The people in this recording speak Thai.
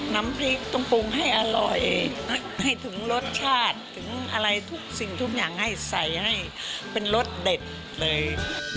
น้ำพริกต้องปรุงให้อร่อยให้ถึงรสชาติถึงอะไรทุกสิ่งทุกอย่างให้ใส่ให้เป็นรสเด็ดเลย